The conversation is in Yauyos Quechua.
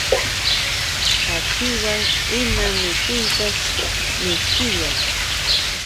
Kaćhiwan ima mikuypis mishkillam.